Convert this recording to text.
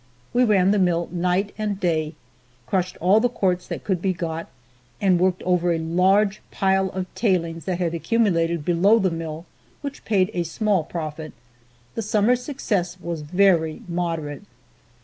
We ran the mill night and day, crushed all the quartz that could be got and worked over a large pile of tailings that had accumulated below the mill, which paid a small profit. The summer's success was very moderate.